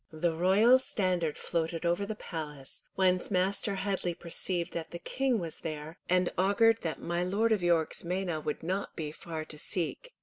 The royal standard floated over the palace, whence Master Headley perceived that the King was there, and augured that my Lord of York's meiné would not be far to seek.